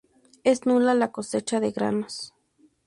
Es nula la cosecha de granos.